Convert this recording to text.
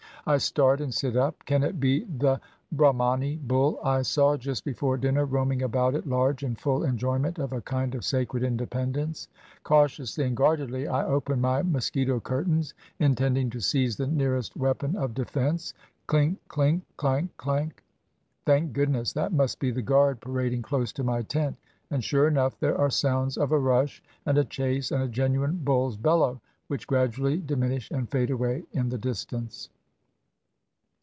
I start, and sit up. Can it be the Brahmani bull I saw just before dinner roaming about at large in full enjoy ment of a kind of sacred independence? Cautiously and guardedly I open my mosquito curtains, intending to seize the nearest weapon of defense. Clink, clink ! Clank, clank ! Thank goodness, that must be the guard parad ing close to my tent; and sure enough there are sounds of a rush, and a chase, and a genuine bull's bellow, which gradually diminish and fade away in the dis tance.